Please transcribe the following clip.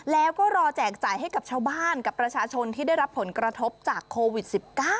แล้วก็รอแจกจ่ายให้กับชาวบ้านกับประชาชนที่ได้รับผลกระทบจากโควิด๑๙